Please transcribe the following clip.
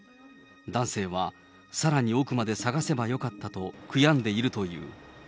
男性はさらに奥まで捜せばよかったと悔やんでいるという。